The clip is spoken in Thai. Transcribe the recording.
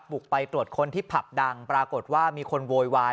บุกไปตรวจคนที่ผับดังปรากฏว่ามีคนโวยวาย